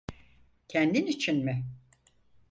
Kendin için mi?